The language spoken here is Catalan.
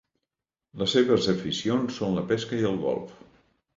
Les seves aficions són la pesca i el golf.